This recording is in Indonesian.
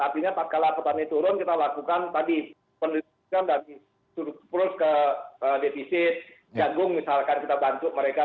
artinya setelah petani turun kita lakukan tadi penelitian dari sudut perus ke defisit jagung misalkan kita bantu mereka